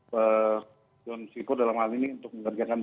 pejabat dalam hal ini untuk mengerjakan